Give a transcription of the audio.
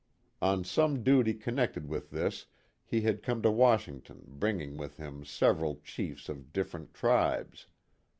On some duty connected with this he had come to Washington bringing with him several chiefs of different tribes.